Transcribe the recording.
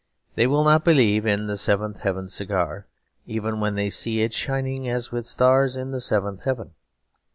They will not believe in the Seventh Heaven Cigar, even when they see it shining as with stars in the seventh heaven.